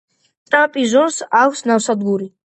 ტრაპიზონს აქვს ნავსადგური.